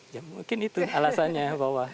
ya mungkin itu alasannya bahwa